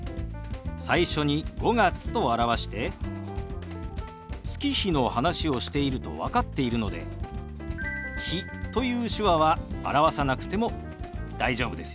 最初に「５月」と表して月日の話をしていると分かっているので「日」という手話は表さなくても大丈夫ですよ。